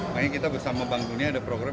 makanya kita bersama bank dunia ada program